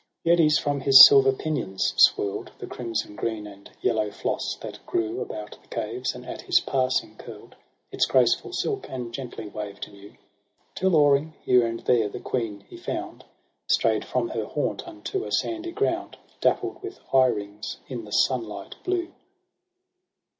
7 The eddies from his silver pinions swirl'd The crimson, green, and yellow floss, that grew About the caves, and at his passing curi'd Its graceful silk, and gently waved anew : Till, oaring here and there, the queen he found Stray'd from her haunt unto a sandy ground, Dappl'd with eye rings in the sunlight blue.